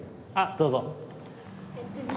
どうぞ。